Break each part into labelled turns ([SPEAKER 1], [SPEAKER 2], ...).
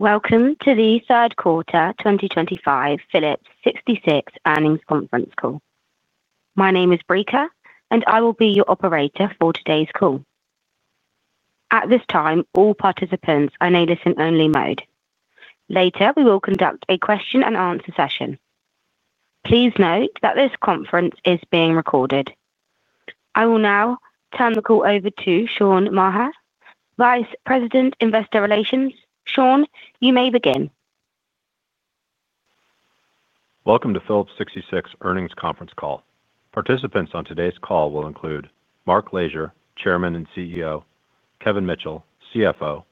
[SPEAKER 1] Welcome to the third quarter 2025 Phillips 66 earnings conference call. My name is Breka, and I will be your operator for today's call. At this time, all participants are in a listen-only mode. Later, we will conduct a question and answer session. Please note that this conference is being recorded. I will now turn the call over to Sean Maher, Vice President, Investor Relations. Sean, you may begin.
[SPEAKER 2] Welcome to Phillips 66 earnings conference call. Participants on today's call will include Mark Lashier, Chairman and CEO, Kevin Mitchell, CFO,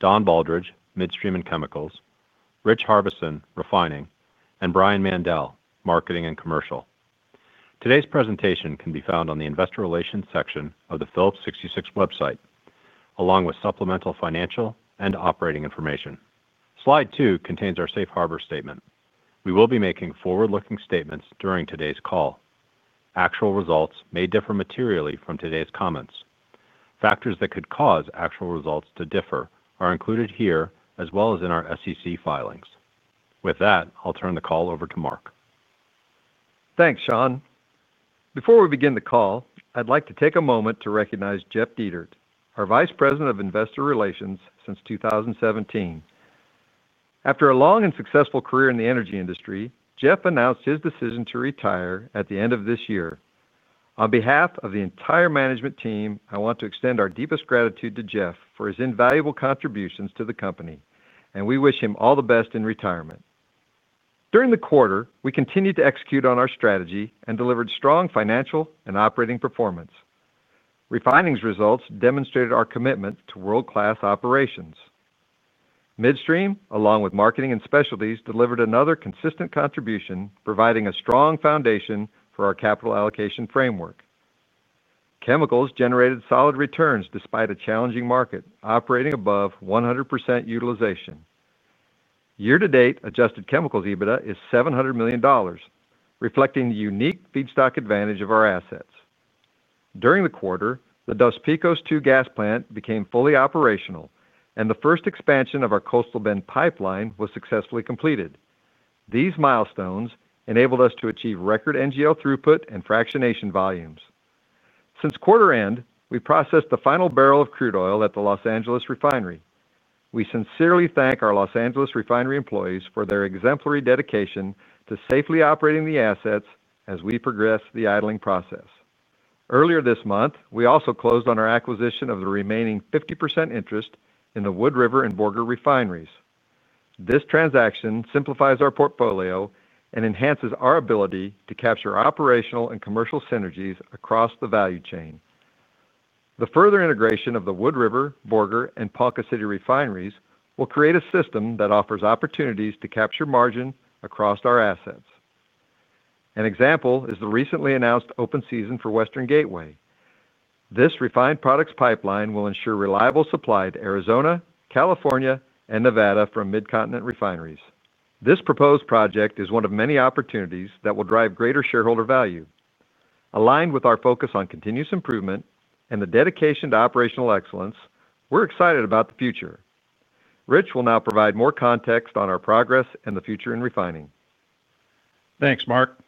[SPEAKER 2] Don Baldridge, Midstream and Chemicals, Rich Harbison, Refining, and Brian Mandell, Marketing and Commercial. Today's presentation can be found on the Investor Relations section of the Phillips 66 website, along with supplemental financial and operating information. Slide 2 contains our safe harbor statement. We will be making forward-looking statements during today's call. Actual results may differ materially from today's comments. Factors that could cause actual results to differ are included here, as well as in our SEC filings. With that, I'll turn the call over to Mark.
[SPEAKER 3] Thanks, Sean. Before we begin the call, I'd like to take a moment to recognize Jeff Dietert, our Vice President of Investor Relations since 2017. After a long and successful career in the energy industry, Jeff announced his decision to retire at the end of this year. On behalf of the entire management team, I want to extend our deepest gratitude to Jeff for his invaluable contributions to the company, and we wish him all the best in retirement. During the quarter, we continued to execute on our strategy and delivered strong financial and operating performance. Refining's results demonstrated our commitment to world-class operations. Midstream, along with Marketing and Specialties, delivered another consistent contribution, providing a strong foundation for our capital allocation framework. Chemicals generated solid returns despite a challenging market, operating above 100% utilization. Year-to-date adjusted Chemicals EBITDA is $700 million, reflecting the unique feedstock advantage of our assets. During the quarter, the Dos Picos II gas plant became fully operational, and the first expansion of our Coastal Bend pipeline was successfully completed. These milestones enabled us to achieve record NGL throughput and fractionation volumes. Since quarter-end, we processed the final barrel of crude oil at the Los Angeles Refinery. We sincerely thank our Los Angeles Refinery employees for their exemplary dedication to safely operating the assets as we progress the idling process. Earlier this month, we also closed on our acquisition of the remaining 50% interest in the Wood River and Borger Refineries. This transaction simplifies our portfolio and enhances our ability to capture operational and commercial synergies across the value chain. The further integration of the Wood River, Borger, and Ponca City Refineries will create a system that offers opportunities to capture margin across our assets. An example is the recently announced open season for Western Gateway. This refined products pipeline will ensure reliable supply to Arizona, California, and Nevada from Mid-Continent refineries. This proposed project is one of many opportunities that will drive greater shareholder value. Aligned with our focus on continuous improvement and the dedication to operational excellence, we're excited about the future. Rich will now provide more context on our progress and the future in refining. Thanks, Mark.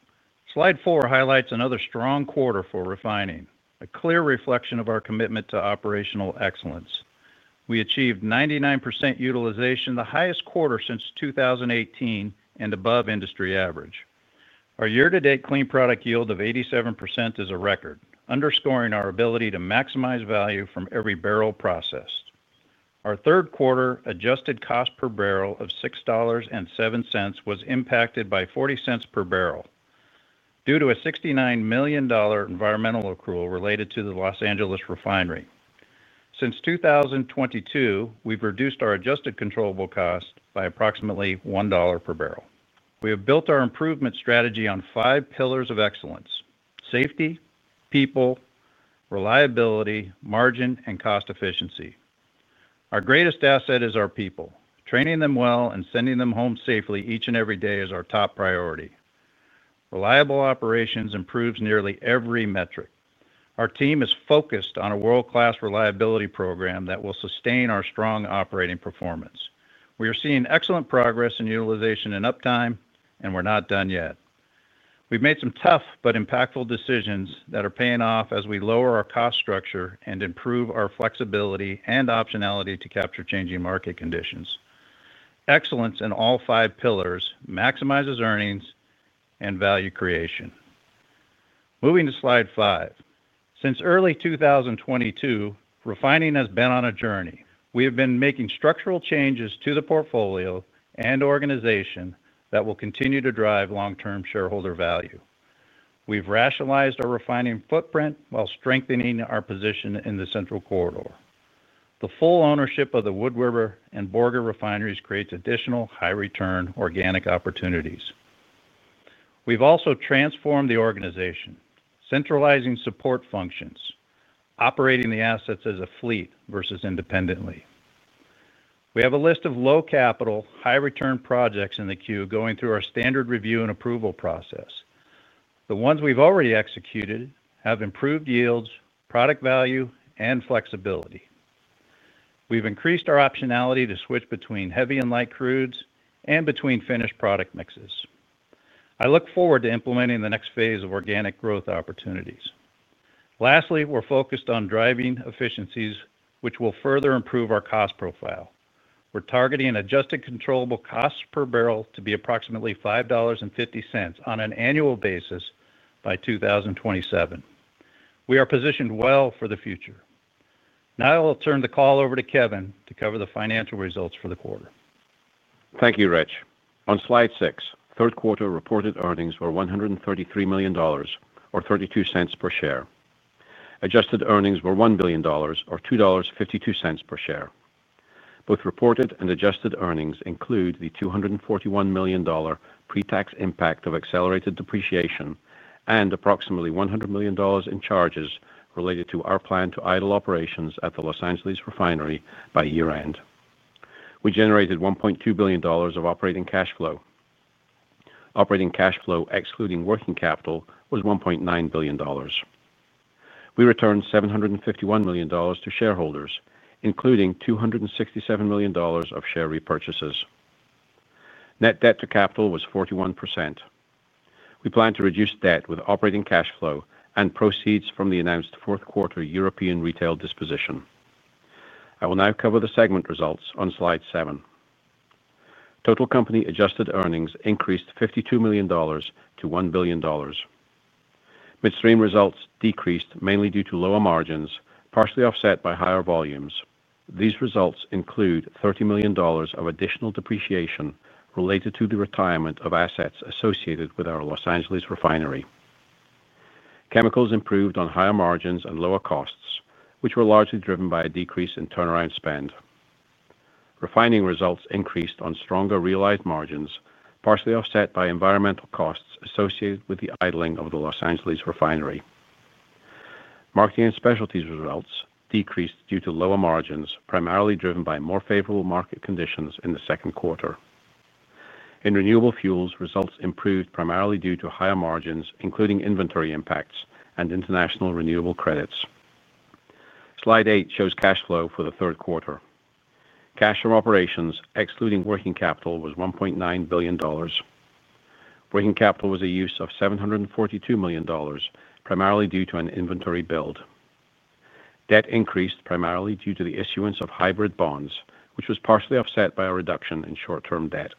[SPEAKER 3] Slide 4 highlights another strong quarter for refining, a clear reflection of our commitment to operational excellence. We achieved 99% utilization, the highest quarter since 2018 and above industry average. Our year-to-date clean product yield of 87% is a record, underscoring our ability to maximize value from every barrel processed. Our third quarter adjusted cost per bbls of $6.07 was impacted by $0.40 per bbls due to a $69 million environmental accrual related to the Los Angeles Refinery. Since 2022, we've reduced our adjusted controllable cost by approximately $1 per bbl. We have built our improvement strategy on five pillars of excellence: safety, people, reliability, margin, and cost efficiency. Our greatest asset is our people. Training them well and sending them home safely each and every day is our top priority. Reliable operations improves nearly every metric. Our team is focused on a world-class reliability program that will sustain our strong operating performance. We are seeing excellent progress in utilization and uptime, and we're not done yet. We've made some tough but impactful decisions that are paying off as we lower our cost structure and improve our flexibility and optionality to capture changing market conditions. Excellence in all five pillars maximizes earnings and value creation. Moving to slide five, since early 2022, refining has been on a journey. We have been making structural changes to the portfolio and organization that will continue to drive long-term shareholder value. We've rationalized our refining footprint while strengthening our position in the Central Corridor. The full ownership of the Wood River and Borger Refineries creates additional high-return organic opportunities. We've also transformed the organization, centralizing support functions, operating the assets as a fleet versus independently. We have a list of low-capital, high-return projects in the queue going through our standard review and approval process. The ones we've already executed have improved yields, product value, and flexibility. We've increased our optionality to switch between heavy and light crudes and between finished product mixes. I look forward to implementing the next phase of organic growth opportunities. Lastly, we're focused on driving efficiencies, which will further improve our cost profile. We're targeting an adjusted controllable cost per barrel to be approximately $5.50 on an annual basis by 2027. We are positioned well for the future. Now, I'll turn the call over to Kevin to cover the financial results for the quarter.
[SPEAKER 4] Thank you, Rich. On slide 6, third quarter reported earnings were $133 million, or $0.32 per share. Adjusted earnings were $1 billion, or $2.52 per share. Both reported and adjusted earnings include the $241 million pre-tax impact of accelerated depreciation and approximately $100 million in charges related to our plan to idle operations at the Los Angeles Refinery by year-end. We generated $1.2 billion of operating cash flow. Operating cash flow, excluding working capital, was $1.9 billion. We returned $751 million to shareholders, including $267 million of share repurchases. Net debt to capital was 41%. We plan to reduce debt with operating cash flow and proceeds from the announced fourth quarter European retail disposition. I will now cover the segment results on slide 7. Total company adjusted earnings increased $52 million-$1 billion. Midstream results decreased mainly due to lower margins, partially offset by higher volumes. These results include $30 million of additional depreciation related to the retirement of assets associated with our Los Angeles Refinery. Chemicals improved on higher margins and lower costs, which were largely driven by a decrease in turnaround spend. Refining results increased on stronger realigned margins, partially offset by environmental costs associated with the idling of the Los Angeles Refinery. Marketing and Specialties results decreased due to lower margins, primarily driven by more favorable market conditions in the second quarter. In renewable fuels, results improved primarily due to higher margins, including inventory impacts and international renewable credits. Slide 8 shows cash flow for the third quarter. Cash from operations, excluding working capital, was $1.9 billion. Working capital was a use of $742 million, primarily due to an inventory build. Debt increased primarily due to the issuance of hybrid bonds, which was partially offset by a reduction in short-term debt.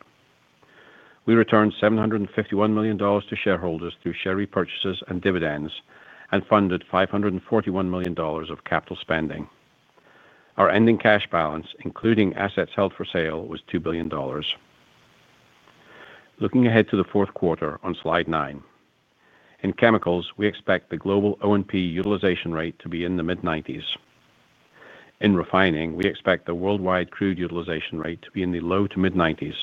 [SPEAKER 4] We returned $751 million to shareholders through share repurchases and dividends and funded $541 million of capital spending. Our ending cash balance, including assets held for sale, was $2 billion. Looking ahead to the fourth quarter, on slide 9, in chemicals, we expect the global O&P utilization rate to be in the mid-90%. In refining, we expect the worldwide crude utilization rate to be in the low to mid-90%.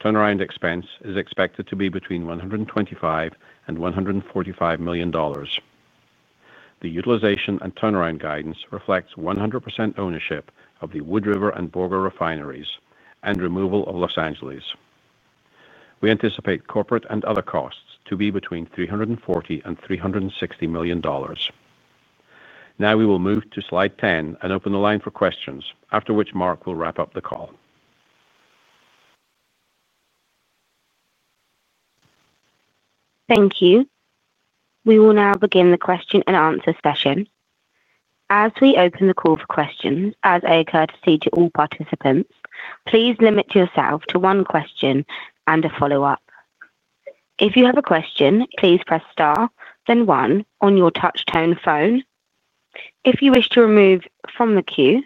[SPEAKER 4] Turnaround expense is expected to be between $125 and $145 million. The utilization and turnaround guidance reflects 100% ownership of the Wood River and Borger Refineries and removal of Los Angeles. We anticipate corporate and other costs to be between $340 and $360 million. Now, we will move to slide 10 and open the line for questions, after which Mark will wrap up the call.
[SPEAKER 1] Thank you. We will now begin the question and answer session. As we open the call for questions, as a courtesy to all participants, please limit yourself to one question and a follow-up. If you have a question, please press star, then one on your touch-tone phone. If you wish to remove from the queue,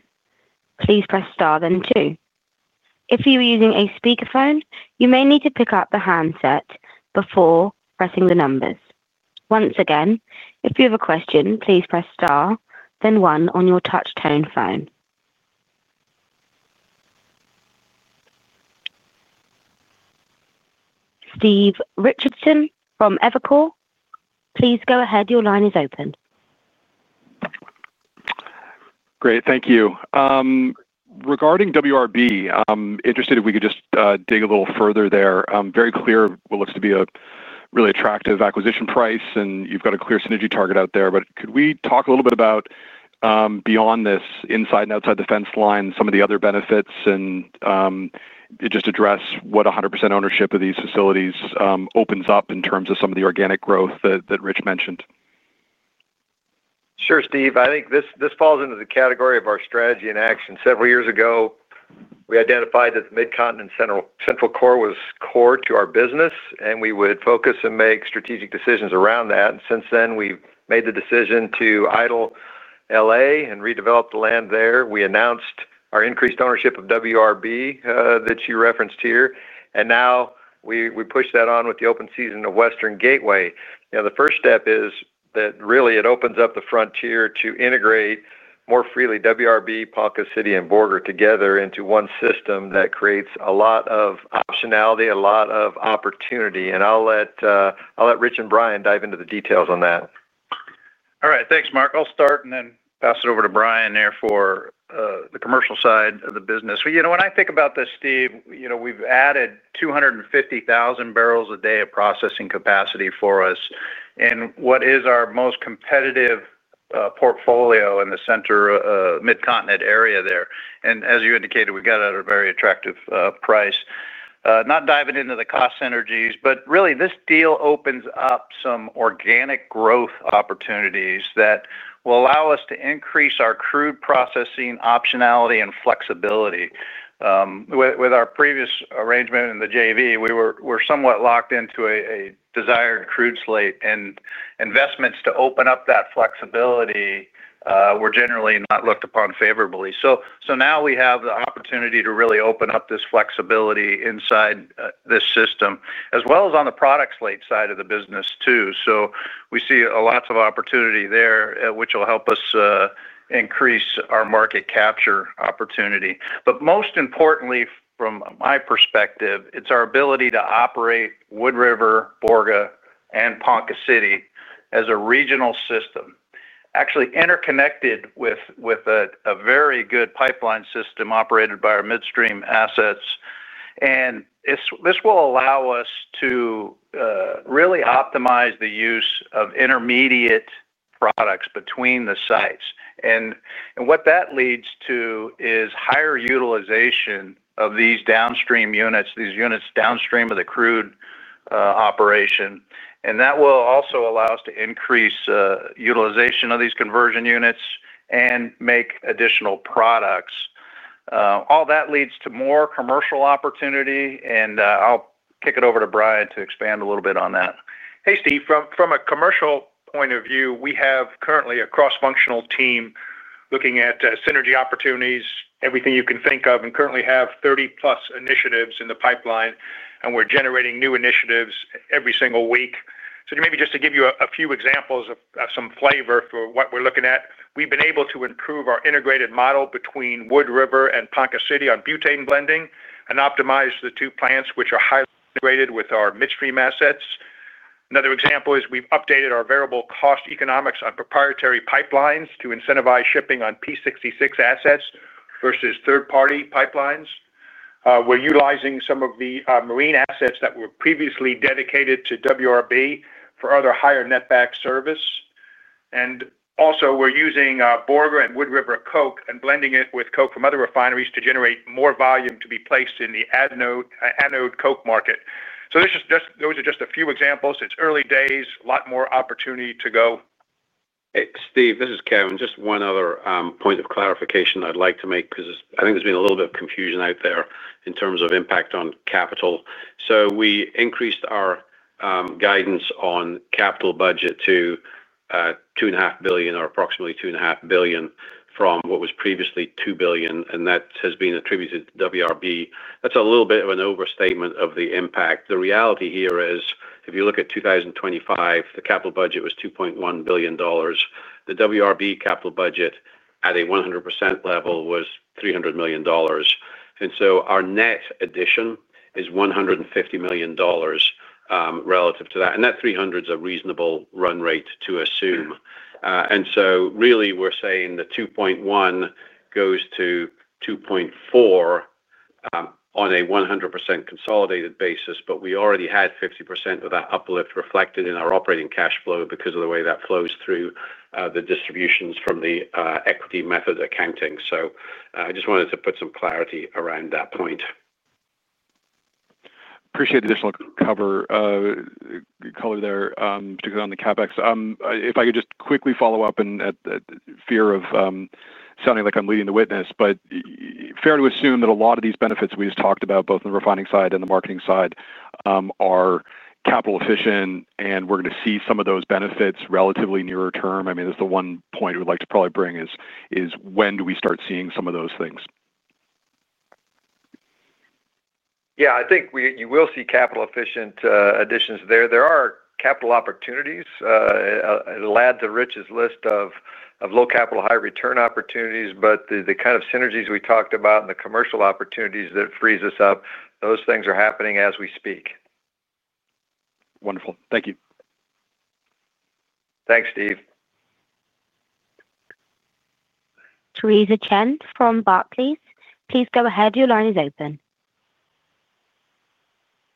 [SPEAKER 1] please press star, then two. If you are using a speakerphone, you may need to pick up the handset before pressing the numbers. Once again, if you have a question, please press star, then one on your touch-tone phone. Steve Richardson from Evercore, please go ahead. Your line is open.
[SPEAKER 5] Great, thank you. Regarding WRB, I'm interested if we could just dig a little further there. Very clear what looks to be a really attractive acquisition price, and you've got a clear synergy target out there. Could we talk a little bit about beyond this inside and outside the fence line, some of the other benefits, and just address what 100% ownership of these facilities opens up in terms of some of the organic growth that Rich mentioned?
[SPEAKER 3] Sure, Steve. I think this falls into the category of our strategy and action. Several years ago, we identified that the Mid-Continent Central Corridor was core to our business, and we would focus and make strategic decisions around that. Since then, we've made the decision to idle L.A. and redevelop the land there. We announced our increased ownership of WRB that you referenced here, and now we push that on with the open season of Western Gateway. The first step is that really it opens up the frontier to integrate more freely WRB, Ponca City, and Borger together into one system that creates a lot of optionality, a lot of opportunity. I'll let Rich and Brian dive into the details on that.
[SPEAKER 6] All right, thanks, Mark. I'll start and then pass it over to Brian there for the commercial side of the business. When I think about this, Steve, we've added 250,000 bbl a day of processing capacity for us in what is our most competitive portfolio in the center Mid-Continent area there. As you indicated, we've got a very attractive price. Not diving into the cost synergies, but really this deal opens up some organic growth opportunities that will allow us to increase our crude processing optionality and flexibility. With our previous arrangement in the JV, we were somewhat locked into a desired crude slate, and investments to open up that flexibility were generally not looked upon favorably. Now we have the opportunity to really open up this flexibility inside this system, as well as on the product slate side of the business too. We see lots of opportunity there, which will help us increase our market capture opportunity. Most importantly, from my perspective, it's our ability to operate Wood River, Borger, and Ponca City as a regional system, actually interconnected with a very good pipeline system operated by our midstream assets. This will allow us to really optimize the use of intermediate products between the sites. What that leads to is higher utilization of these downstream units, these units downstream of the crude operation. That will also allow us to increase utilization of these conversion units and make additional products. All that leads to more commercial opportunity, and I'll kick it over to Brian to expand a little bit on that.
[SPEAKER 7] Hey, Steve. From a commercial point of view, we have currently a cross-functional team looking at synergy opportunities, everything you can think of, and currently have 30+ initiatives in the pipeline, and we're generating new initiatives every single week. Maybe just to give you a few examples of some flavor for what we're looking at, we've been able to improve our integrated model between Wood River and Ponca City on butane blending and optimize the two plants, which are highly integrated with our midstream assets. Another example is we've updated our variable cost economics on proprietary pipelines to incentivize shipping on Phillips 66 assets versus third-party pipelines. We're utilizing some of the marine assets that were previously dedicated to WRB for other higher netback service. We're using Borger and Wood River Coke and blending it with Coke from other refineries to generate more volume to be placed in the anode Coke market. Those are just a few examples. It's early days, a lot more opportunity to go.
[SPEAKER 4] Hey, Steve. This is Kevin. Just one other point of clarification I'd like to make, because I think there's been a little bit of confusion out there in terms of impact on capital. We increased our guidance on capital budget to $2.5 billion, or approximately $2.5 billion from what was previously $2 billion, and that has been attributed to WRB. That's a little bit of an overstatement of the impact. The reality here is, if you look at 2025, the capital budget was $2.1 billion. The WRB capital budget at a 100% level was $300 million. Our net addition is $150 million relative to that. That $300 million is a reasonable run rate to assume. We're saying the $2.1 billion goes to $2.4 billion on a 100% consolidated basis, but we already had 50% of that uplift reflected in our operating cash flow because of the way that flows through the distributions from the equity method accounting. I just wanted to put some clarity around that point.
[SPEAKER 5] Appreciate the additional color there, particularly on the CapEx. If I could just quickly follow up in fear of sounding like I'm leading the witness, but fair to assume that a lot of these benefits we just talked about, both on the refining side and the marketing side, are capital efficient, and we're going to see some of those benefits relatively nearer term. I mean, that's the one point we'd like to probably bring is when do we start seeing some of those things?
[SPEAKER 3] Yeah, I think you will see capital-efficient additions there. There are capital opportunities. It'll add to Rich's list of low-capital, high-return opportunities, and the kind of synergies we talked about and the commercial opportunities that frees us up, those things are happening as we speak.
[SPEAKER 5] Wonderful. Thank you.
[SPEAKER 8] Thanks, Steve.
[SPEAKER 1] Theresa Chen from Barclays. Please go ahead. Your line is open.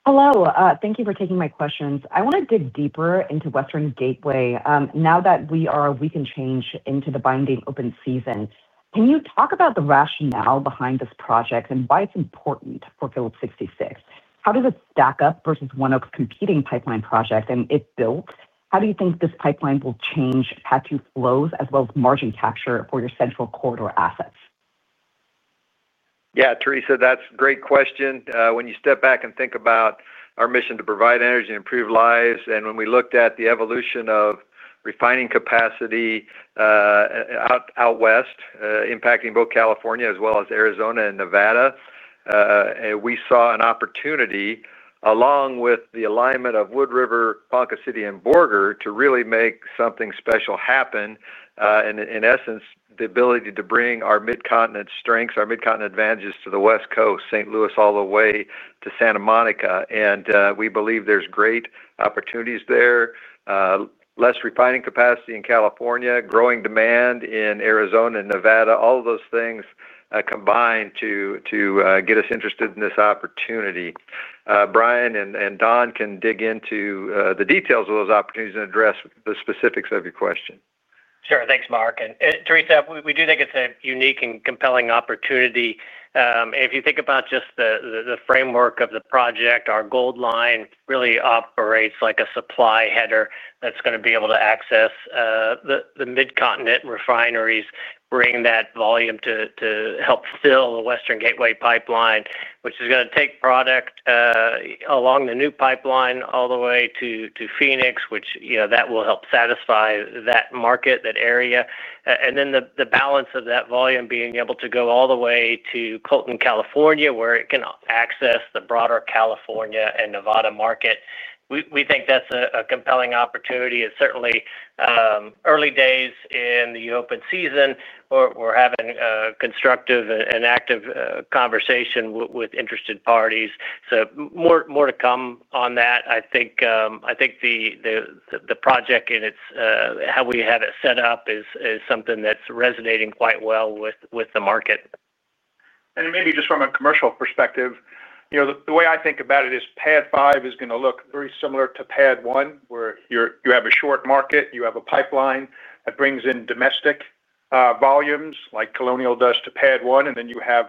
[SPEAKER 9] Hello. Thank you for taking my questions. I want to dig deeper into Western Gateway. Now that we are a week and change into the binding open season, can you talk about the rationale behind this project and why it's important for Phillips 66? How does it stack up versus one of its competing pipeline projects and it built? How do you think this pipeline will change PADD flows as well as margin capture for your Central Corridor assets?
[SPEAKER 3] Yeah, Theresa, that's a great question. When you step back and think about our mission to provide energy and improve lives, and when we looked at the evolution of refining capacity out west, impacting both California as well as Arizona and Nevada, we saw an opportunity along with the alignment of Wood River, Ponca City, and Borger to really make something special happen. In essence, the ability to bring our Mid-Continent strengths, our Mid-Continent advantages to the West Coast, St. Louis all the way to Santa Monica. We believe there's great opportunities there, less refining capacity in California, growing demand in Arizona and Nevada, all of those things combined to get us interested in this opportunity. Brian and Don can dig into the details of those opportunities and address the specifics of your question.
[SPEAKER 8] Sure. Thanks, Mark. Theresa, we do think it's a unique and compelling opportunity. If you think about just the framework of the project, our Gold Line really operates like a supply header that's going to be able to access the Mid-Continent refineries, bring that volume to help fill the Western Gateway pipeline, which is going to take product along the new pipeline all the way to Phoenix. That will help satisfy that market, that area. The balance of that volume being able to go all the way to Colton, California, where it can access the broader California and Nevada market. We think that's a compelling opportunity. It's certainly early days in the open season. We're having a constructive and active conversation with interested parties. More to come on that. I think the project and how we have it set up is something that's resonating quite well with the market.
[SPEAKER 7] Maybe just from a commercial perspective, the way I think about it is PAD 5 is going to look very similar to PAD 1, where you have a short market, you have a pipeline that brings in domestic volumes like Colonial does to PAD 1, and then you have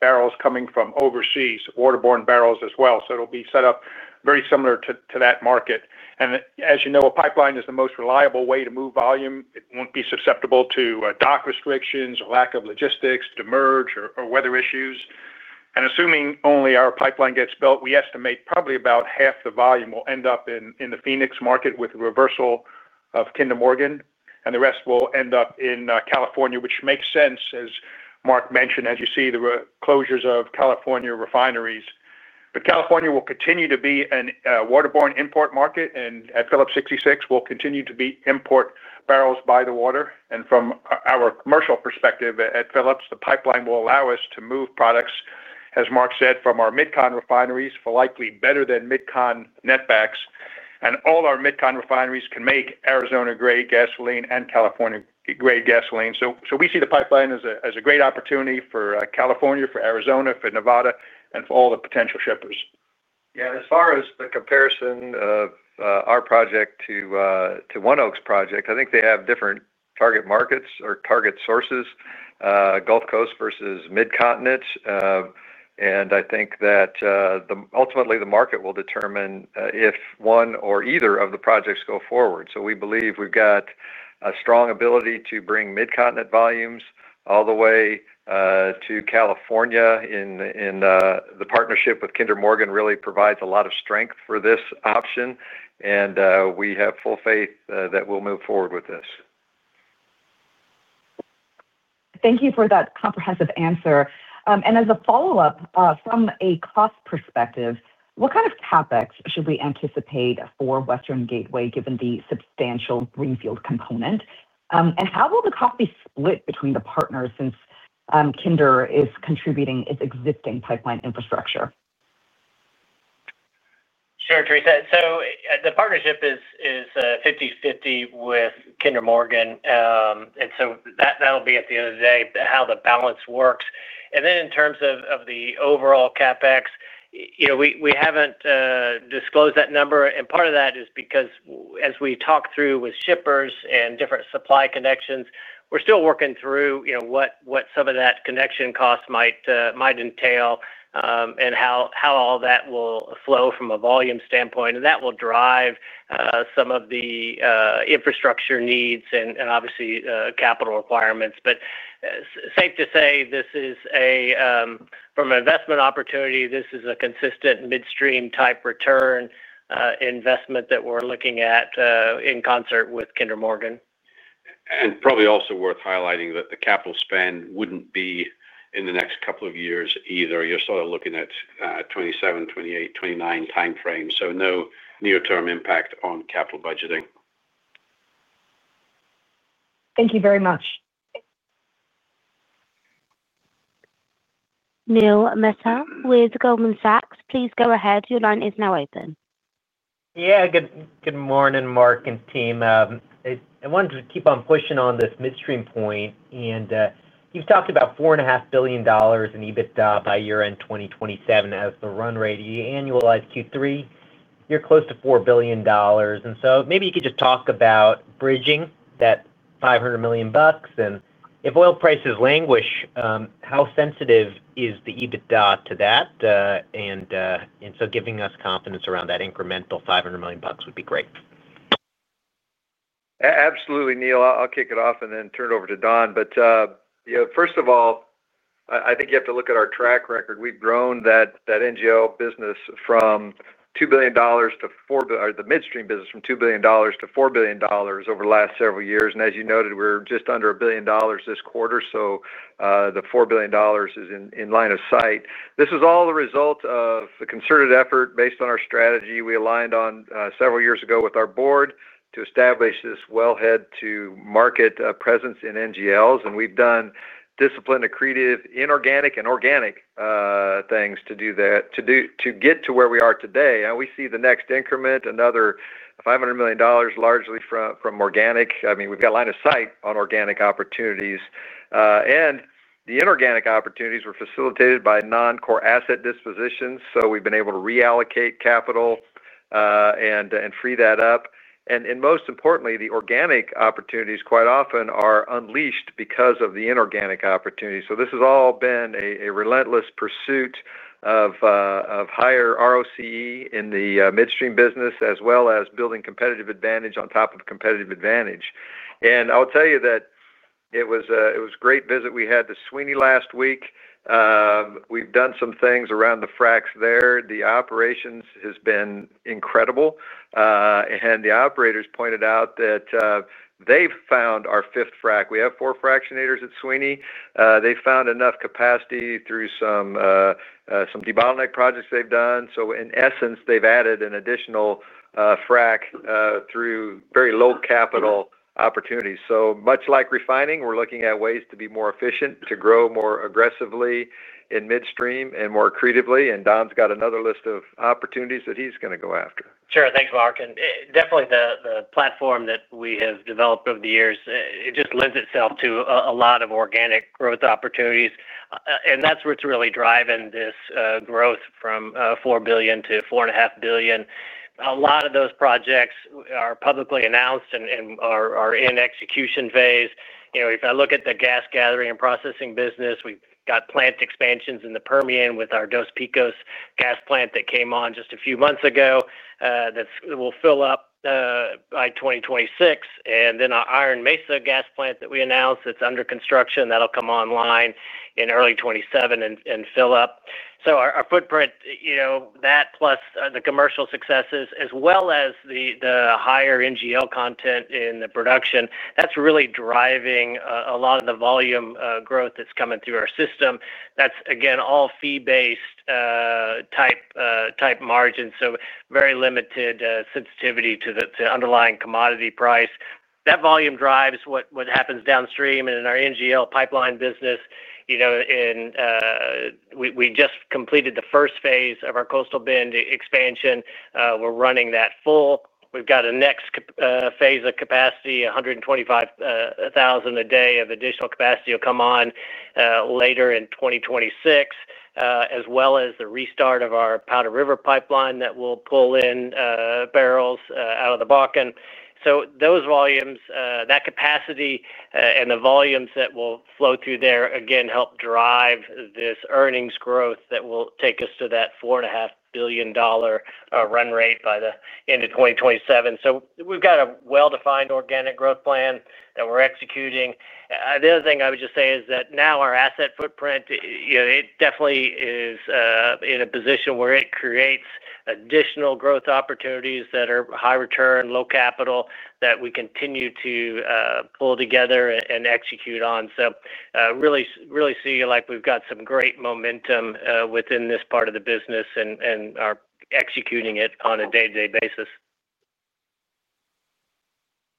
[SPEAKER 7] barrels coming from overseas, waterborne barrels as well. It will be set up very similar to that market. As you know, a pipeline is the most reliable way to move volume. It won't be susceptible to dock restrictions or lack of logistics to merge or weather issues. Assuming only our pipeline gets built, we estimate probably about half the volume will end up in the Phoenix market with the reversal of Kinder Morgan, and the rest will end up in California, which makes sense, as Mark mentioned, as you see the closures of California refineries. California will continue to be a waterborne import market, and at Phillips 66, we'll continue to import barrels by the water. From our commercial perspective at Phillips 66, the pipeline will allow us to move products, as Mark said, from our Mid-Continent refineries for likely better than Mid-Continent netbacks. All our Mid-Continent refineries can make Arizona-grade gasoline and California-grade gasoline. We see the pipeline as a great opportunity for California, for Arizona, for Nevada, and for all the potential shippers.
[SPEAKER 3] Yeah, as far as the comparison of our project to ONEOk's project, I think they have different target markets or target sources, Gulf Coast versus Mid-Continent. I think that ultimately the market will determine if one or either of the projects go forward. We believe we've got a strong ability to bring Mid-Continent volumes all the way to California, and the partnership with Kinder Morgan really provides a lot of strength for this option. We have full faith that we'll move forward with this.
[SPEAKER 9] Thank you for that comprehensive answer. As a follow-up from a cost perspective, what kind of CapEx should we anticipate for Western Gateway, given the substantial greenfield component? How will the cost be split between the partners since Kinder is contributing its existing pipeline infrastructure?
[SPEAKER 8] Sure, Theresa. The partnership is 50/50 with Kinder Morgan. That will be at the end of the day how the balance works. In terms of the overall CapEx, we haven't disclosed that number. Part of that is because, as we talk through with shippers and different supply connections, we're still working through what some of that connection cost might entail and how all that will flow from a volume standpoint. That will drive some of the infrastructure needs and obviously capital requirements. It is safe to say this is, from an investment opportunity, a consistent midstream type return investment that we're looking at in concert with Kinder Morgan.
[SPEAKER 4] Probably also worth highlighting that the capital spend wouldn't be in the next couple of years either. You're sort of looking at 2027, 2028, 2029 timeframes. No near-term impact on capital budgeting.
[SPEAKER 1] Thank you very much. Neil Mehta with Goldman Sachs, please go ahead. Your line is now open.
[SPEAKER 10] Yeah, good morning, Mark and team. I wanted to keep on pushing on this midstream point. You've talked about $4.5 billion in EBITDA by year-end 2027 as the run rate. You annualized Q3, you're close to $4 billion. Maybe you could just talk about bridging that $500 million bucks. If oil prices languish, how sensitive is the EBITDA to that? Giving us confidence around that incremental $500 million bucks would be great.
[SPEAKER 3] Absolutely, Neil. I'll kick it off and then turn it over to Don. First of all, I think you have to look at our track record. We've grown that NGL business from $2 billion-$4 billion, or the midstream business from $2 billion-$4 billion over the last several years. As you noted, we're just under $1 billion this quarter, so the $4 billion is in line of sight. This is all the result of a concerted effort based on our strategy. We aligned on several years ago with our board to establish this well-head-to-market presence in NGLs. We've done disciplined, accretive, inorganic, and organic things to do that to get to where we are today. We see the next increment, another $500 million, largely from organic. We've got a line of sight on organic opportunities, and the inorganic opportunities were facilitated by non-core asset dispositions. We've been able to reallocate capital and free that up. Most importantly, the organic opportunities quite often are unleashed because of the inorganic opportunities. This has all been a relentless pursuit of higher ROCE in the midstream business, as well as building competitive advantage on top of competitive advantage. I'll tell you that it was a great visit. We had the Sweeney last week. We've done some things around the fracs there. The operations have been incredible, and the operators pointed out that they've found our fifth frac. We have four fractionators at Sweeney. They've found enough capacity through some debottleneck projects they've done. In essence, they've added an additional frac through very low-capital opportunities. Much like refining, we're looking at ways to be more efficient, to grow more aggressively in midstream and more accretively. Don's got another list of opportunities that he's going to go after.
[SPEAKER 8] Sure, thanks, Mark. The platform that we have developed over the years just lends itself to a lot of organic growth opportunities. That's what's really driving this growth from $4 billion-$4.5 billion. A lot of those projects are publicly announced and are in execution phase. If I look at the gas gathering and processing business, we've got plant expansions in the Permian with our Dos Picos II gas plant that came on just a few months ago. That will fill up by 2026. Our Iron Mesa plant that we announced is under construction, that'll come online in early 2027 and fill up. Our footprint, plus the commercial successes, as well as the higher NGL content in the production, is really driving a lot of the volume growth that's coming through our system. That's all fee-based type margins, so very limited sensitivity to the underlying commodity price. That volume drives what happens downstream. In our NGL pipeline business, we just completed the first phase of our Coastal Bend expansion. We're running that full. We've got a next phase of capacity, 125,000 a day of additional capacity will come on later in 2026, as well as the restart of our Powder River pipeline that will pull in barrels out of the Bakken. Those volumes, that capacity, and the volumes that will flow through there help drive this earnings growth that will take us to that $4.5 billion run rate by the end of 2027. We've got a well-defined organic growth plan that we're executing. The other thing I would just say is that now our asset footprint definitely is in a position where it creates additional growth opportunities that are high return, low capital, that we continue to pull together and execute on. I really see like we've got some great momentum within this part of the business and are executing it on a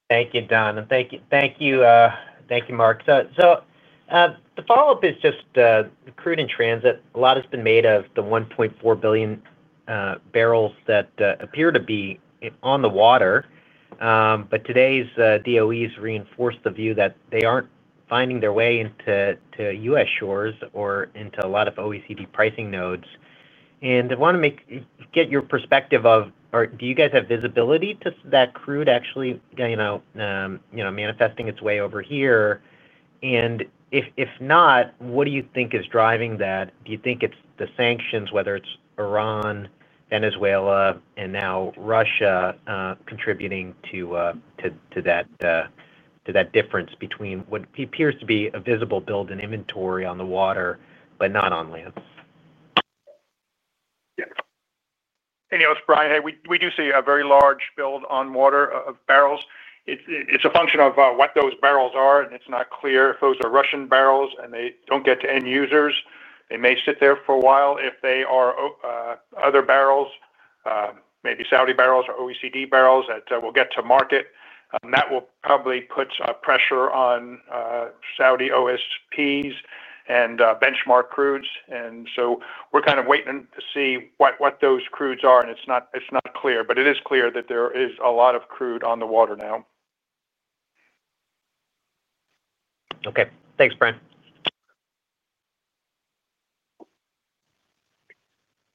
[SPEAKER 8] day-to-day basis.
[SPEAKER 10] Thank you, Don. Thank you, Mark. The follow-up is just the crude in transit. A lot has been made of the 1.4 billion bbl that appear to be on the water. Today's DOEs reinforced the view that they aren't finding their way into U.S. shores or into a lot of OECD pricing nodes. I want to get your perspective of, do you guys have visibility to that crude actually, you know, manifesting its way over here? If not, what do you think is driving that? Do you think it's the sanctions, whether it's Iran, Venezuela, and now Russia contributing to that difference between what appears to be a visible build in inventory on the water but not on land?
[SPEAKER 7] Yes. Brian, we do see a very large build on water of barrels. It's a function of what those barrels are, and it's not clear if those are Russian barrels and they don't get to end users. They may sit there for a while if they are other barrels, maybe Saudi barrels or OECD barrels that will get to market. That will probably put pressure on Saudi OSPs and benchmark crudes. We're kind of waiting to see what those crudes are, and it's not clear. It is clear that there is a lot of crude on the water now.
[SPEAKER 10] Okay. Thanks, Brian.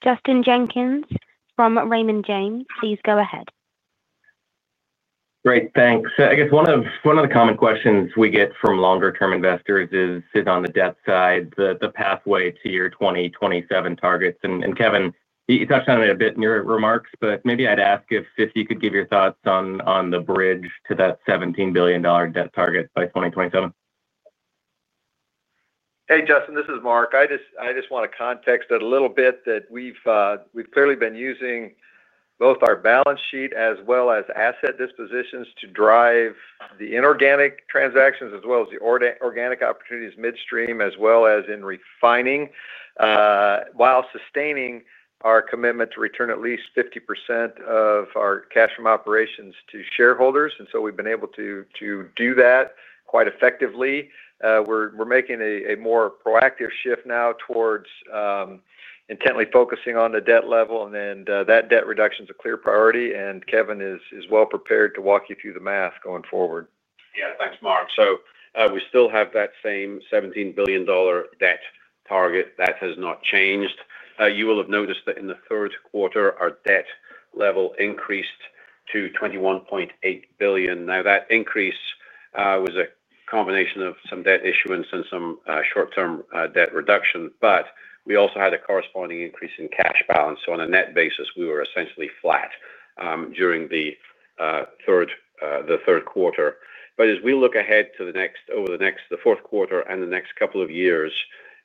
[SPEAKER 1] Justin Jenkins from Raymond James, please go ahead.
[SPEAKER 11] Great, thanks. I guess one of the common questions we get from longer-term investors is on the debt side, the pathway to your 2027 targets. Kevin, you touched on it a bit in your remarks, but maybe I'd ask if you could give your thoughts on the bridge to that $17 billion debt target by 2027.
[SPEAKER 3] Hey, Justin. This is Mark. I just want to context it a little bit that we've clearly been using both our balance sheet as well as asset dispositions to drive the inorganic transactions as well as the organic opportunities midstream, as well as in refining while sustaining our commitment to return at least 50% of our cash from operations to shareholders. We've been able to do that quite effectively. We're making a more proactive shift now towards intently focusing on the debt level, and that debt reduction is a clear priority. Kevin is well prepared to walk you through the math going forward.
[SPEAKER 4] Yeah, thanks, Mark. We still have that same $17 billion debt target. That has not changed. You will have noticed that in the third quarter, our debt level increased to $21.8 billion. That increase was a combination of some debt issuance and some short-term debt reduction. We also had a corresponding increase in cash balance. On a net basis, we were essentially flat during the third quarter. As we look ahead to the next, over the next fourth quarter and the next couple of years,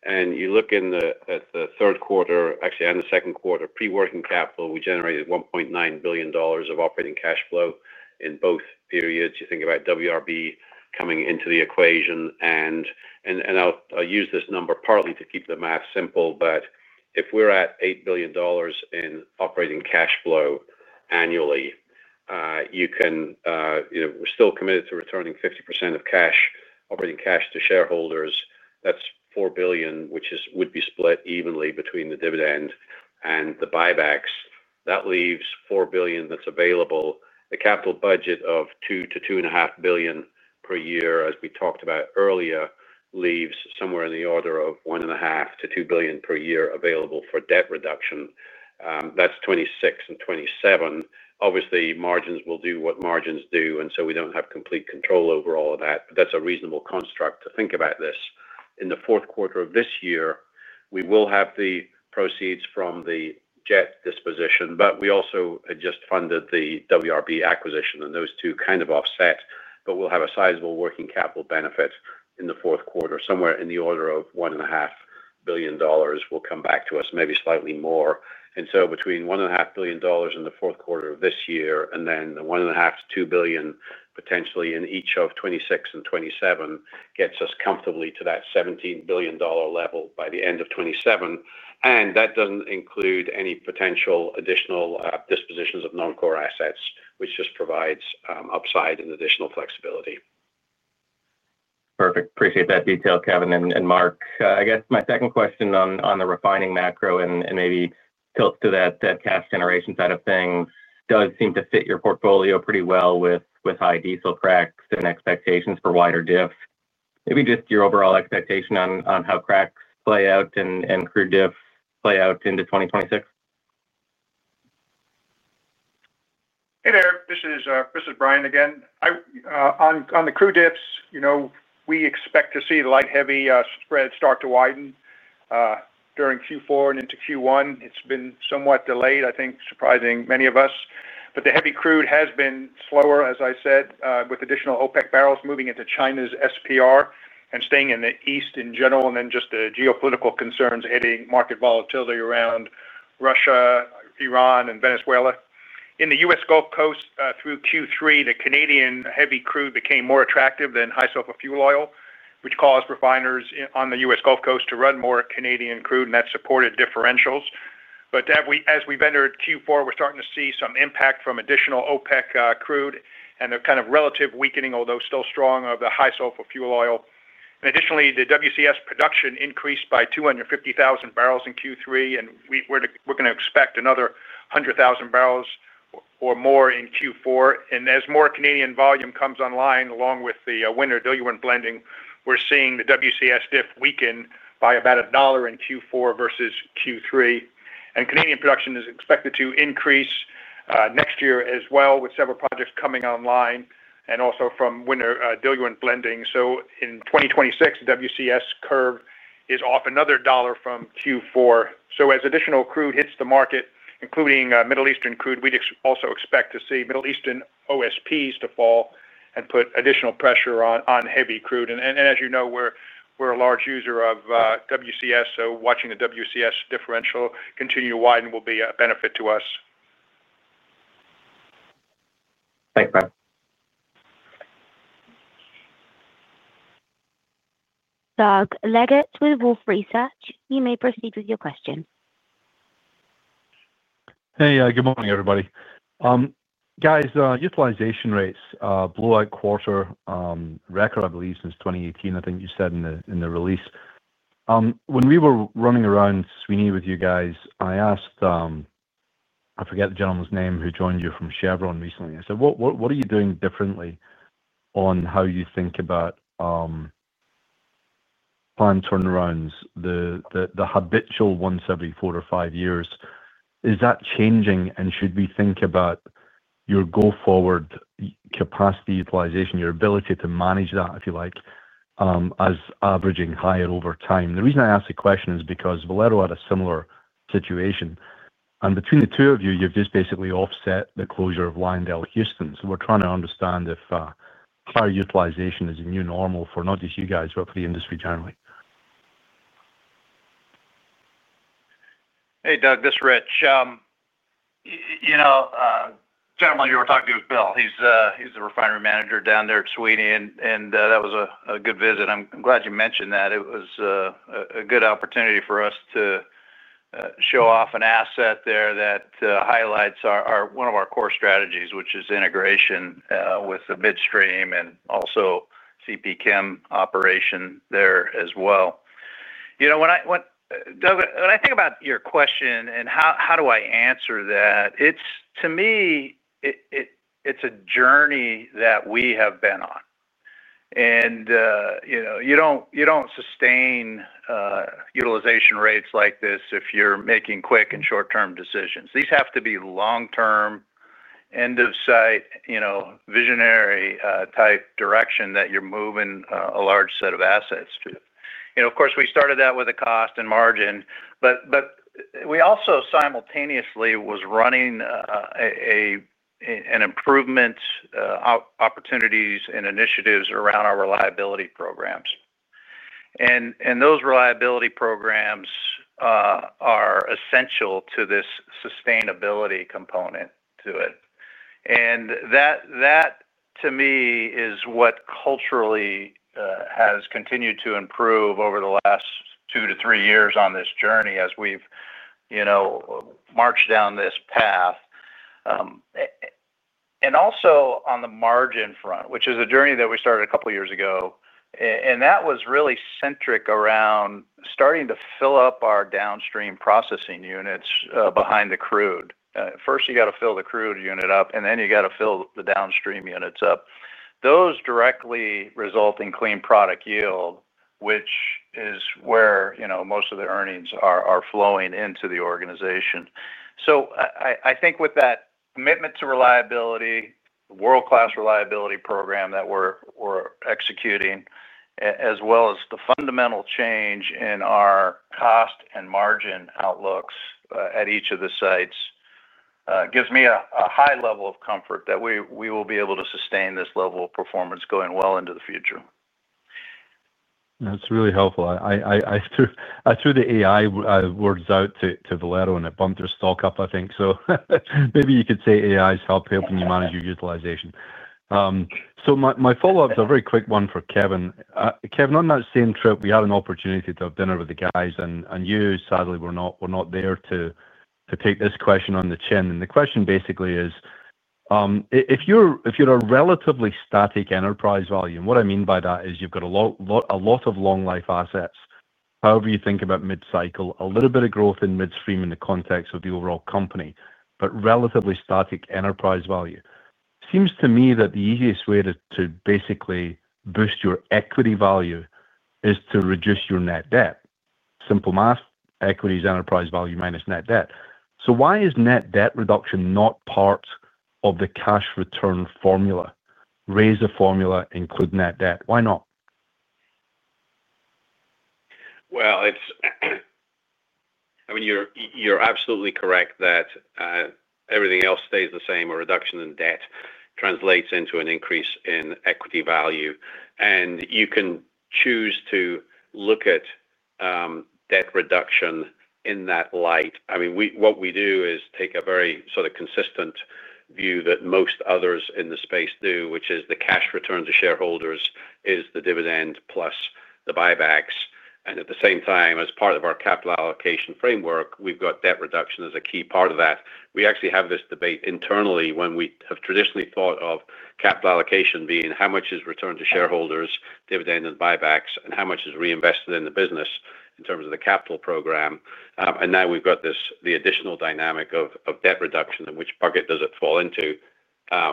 [SPEAKER 4] and you look at the third quarter, actually, and the second quarter, pre-working capital, we generated $1.9 billion of operating cash flow in both periods. You think about WRB coming into the equation. I'll use this number partly to keep the math simple. If we're at $8 billion in operating cash flow annually, you can, you know, we're still committed to returning 50% of operating cash to shareholders. That's $4 billion, which would be split evenly between the dividend and the buybacks. That leaves $4 billion that's available. A capital budget of $2 billion-$2.5 billion per year, as we talked about earlier, leaves somewhere in the order of $1.5 billion-$2 billion per year available for debt reduction. That's 2026 and 2027. Obviously, margins will do what margins do. We don't have complete control over all of that. That's a reasonable construct to think about this. In the fourth quarter of this year, we will have the proceeds from the JET disposition. We also had just funded the WRB acquisition. Those two kind of offset, but we'll have a sizable working capital benefit in the fourth quarter, somewhere in the order of $1.5 billion. It will come back to us maybe slightly more. Between $1.5 billion in the fourth quarter of this year and then $1.5 billion-$2 billion potentially in each of 2026 and 2027 gets us comfortably to that $17 billion level by the end of 2027. That doesn't include any potential additional dispositions of non-core assets, which just provides upside and additional flexibility.
[SPEAKER 11] Perfect. Appreciate that detail, Kevin and Mark. I guess my second question on the refining macro and maybe tilts to that gas generation side of things does seem to fit your portfolio pretty well with high diesel CRECs and expectations for wider dips. Maybe just your overall expectation on how CRECs play out and crude diff play out into 2026.
[SPEAKER 7] Hey there. This is Brian again. On the crude dips, we expect to see the light heavy spread start to widen during Q4 and into Q1. It's been somewhat delayed, I think, surprising many of us. The heavy crude has been slower, as I said, with additional OPEC barrels moving into China's SPR and staying in the east in general, and just the geopolitical concerns hitting market volatility around Russia, Iran, and Venezuela. In the U.S. Gulf Coast through Q3, the Canadian heavy crude became more attractive than high sulfur fuel oil, which caused refiners on the U.S. Gulf Coast to run more Canadian crude, and that supported differentials. As we've entered Q4, we're starting to see some impact from additional OPEC crude and a kind of relative weakening, although still strong, of the high sulfur fuel oil. Additionally, the WCS production increased by 250,000 bbls in Q3, and we're going to expect another 100,000 bbls or more in Q4. As more Canadian volume comes online along with the winter diluent blending, we're seeing the WCS diff weaken by about $1 in Q4 versus Q3. Canadian production is expected to increase next year as well, with several projects coming online and also from winter diluent blending. In 2026, the WCS curve is off another dollar from Q4. As additional crude hits the market, including Middle Eastern crude, we also expect to see Middle Eastern OSPs to fall and put additional pressure on heavy crude. As you know, we're a large user of WCS. Watching the WCS differential continue to widen will be a benefit to us.
[SPEAKER 11] Thanks, Brian.
[SPEAKER 1] Douglas Leggate with Wolfe Research. You may proceed with your question.
[SPEAKER 12] Hey, good morning, everybody. Utilization rates blew out quarter record, I believe, since 2018, I think you said in the release. When we were running around Sweeney with you guys, I asked, I forget the gentleman's name who joined you from Chevron recently. I said, "What are you doing differently on how you think about planned turnarounds, the habitual once every four to five years? Is that changing? Should we think about your go-forward capacity utilization, your ability to manage that, if you like, as averaging higher over time?" The reason I asked the question is because Valero had a similar situation. Between the two of you, you've just basically offset the closure of Lyondell-Houston. We're trying to understand if higher utilization is a new normal for not just you guys, but for the industry generally.
[SPEAKER 6] Hey, Doug. This is Rich. The gentleman you were talking to is Bill. He's the refinery manager down there at Sweeney, and that was a good visit. I'm glad you mentioned that. It was a good opportunity for us to show off an asset there that highlights one of our core strategies, which is integration with the midstream and also CP Chem operation there as well. When I think about your question and how do I answer that, to me, it's a journey that we have been on. You don't sustain utilization rates like this if you're making quick and short-term decisions. These have to be long-term, end-of-sight, visionary type direction that you're moving a large set of assets to. We started that with a cost and margin. We also simultaneously were running improvement opportunities and initiatives around our reliability programs. Those reliability programs are essential to this sustainability component. That, to me, is what culturally has continued to improve over the last two to three years on this journey as we've marched down this path. Also, on the margin front, which is a journey that we started a couple of years ago, that was really centric around starting to fill up our downstream processing units behind the crude. First, you got to fill the crude unit up, and then you got to fill the downstream units up. Those directly result in clean product yield, which is where most of the earnings are flowing into the organization. I think with that commitment to reliability, the world-class reliability program that we're executing, as well as the fundamental change in our cost and margin outlooks at each of the sites, gives me a high level of comfort that we will be able to sustain this level of performance going well into the future.
[SPEAKER 12] That's really helpful. I threw the AI words out to Valero and it bumped their stock up, I think. Maybe you could say AI's helping you manage your utilization. My follow-up is a very quick one for Kevin. Kevin, on that same trip, we had an opportunity to have dinner with the guys, and you, sadly, were not there to take this question on the chin. The question basically is, if you're a relatively static enterprise value, and what I mean by that is you've got a lot of long-life assets, however you think about mid-cycle, a little bit of growth in midstream in the context of the overall company, but relatively static enterprise value, it seems to me that the easiest way to basically boost your equity value is to reduce your net debt. Simple math, equity is enterprise value minus net debt. Why is net debt reduction not part of the cash return formula? Raise a formula, include net debt. Why not?
[SPEAKER 4] You are absolutely correct that everything else stays the same. A reduction in debt translates into an increase in equity value. You can choose to look at debt reduction in that light. What we do is take a very sort of consistent view that most others in the space do, which is the cash return to shareholders is the dividend plus the buybacks. At the same time, as part of our capital allocation framework, we've got debt reduction as a key part of that. We actually have this debate internally when we have traditionally thought of capital allocation being how much is returned to shareholders, dividend and buybacks, and how much is reinvested in the business in terms of the capital program. Now we've got the additional dynamic of debt reduction and which bucket does it fall into.